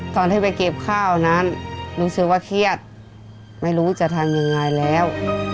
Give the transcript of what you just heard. ตอนที่ไปเก็บข้าวนั้นรู้สึกว่าเครียดไม่รู้จะทำยังไงแล้ว